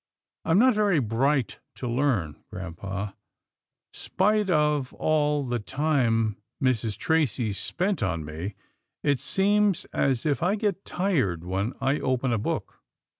I'm not very bright to learn, grampa, spite of all the time Mrs. Tracy spent on me. It seems as if I get tired when I open a book."